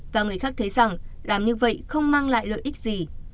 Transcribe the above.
và người khác thấy rằng làm như vậy không mang lại lợi ích gì